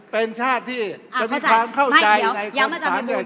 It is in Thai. เป็นชาติที่จะมีความเข้าใจในความสำเร็จ